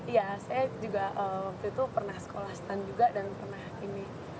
iya saya juga waktu itu pernah sekolah stand juga dan pernah ini